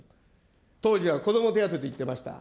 当時は子ども手当といってました。